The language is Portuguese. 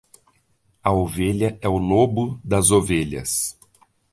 A ovelha é o lobo das ovelhas.